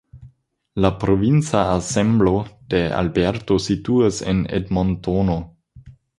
La provinca asembleo de Alberto situas en Edmontono.